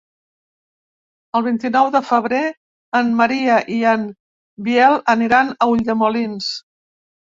El vint-i-nou de febrer en Maria i en Biel aniran a Ulldemolins.